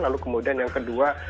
lalu kemudian yang kedua